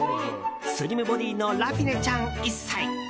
スリムボディーのラフィネちゃん、１歳。